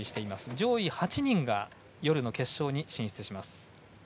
上位８人が夜の決勝に進出します。